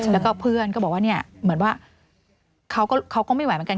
แล้วก็เพื่อนก็บอกว่าเนี่ยเหมือนว่าเขาก็ไม่ไหวเหมือนกัน